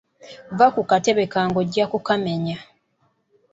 Vva ku katebe kange ojja kukamenya.